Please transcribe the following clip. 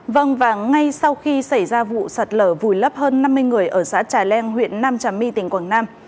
vâng và ngay sau khi xảy ra vụ sạt lở vùi lấp hơn năm mươi người ở xã trà leng huyện nam trà my tỉnh quảng nam